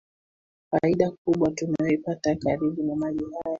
o faida kubwa tunayoipata karibu na maji haya